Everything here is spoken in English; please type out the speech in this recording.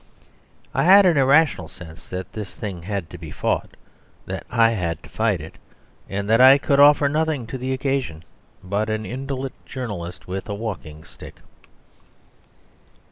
I had an irrational sense that this thing had to be fought, that I had to fight it; and that I could offer nothing to the occasion but an indolent journalist with a walking stick.